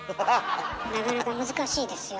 なかなか難しいですよ。